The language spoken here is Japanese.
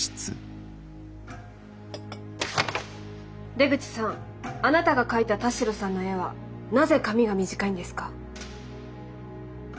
出口さんあなたが描いた田代さんの絵はなぜ髪が短いんですか？